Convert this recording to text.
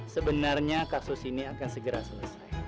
sebenarnya kasus ini akan segera selesai